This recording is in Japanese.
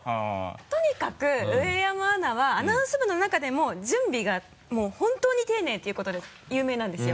とにかく上山アナはアナウンス部の中でも準備がもう本当に丁寧ということで有名なんですよ。